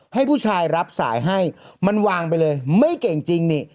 ให้ผู้ชายรับสายให้มันวางไปเลยไม่เก่งจริงนี่